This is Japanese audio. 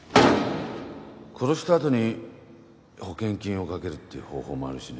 殺したあとに保険金を掛けるっていう方法もあるしね。